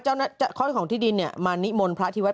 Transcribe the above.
ข้าวของที่ดินมานิมนต์พระที่วัด